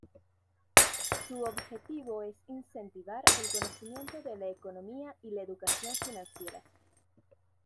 Su objetivo es incentivar el conocimiento de la economía y la educación financiera.